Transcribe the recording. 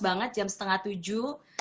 banget jam setengah tujuh